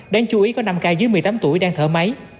đáng chú ý có năm ca dưới một mươi tám tuổi đang thở máy